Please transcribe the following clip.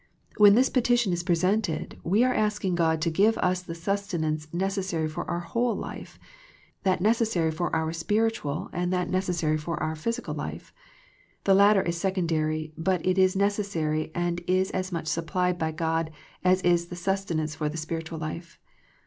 When this petition is presented we are asking God to give us the sustenance necessary for our whole life, that necessary for our spiritual, and that neces sary for our physical life. The latter is secondary but it is necessary, and is as much supplied by God as is the sustenance for the spiritual life.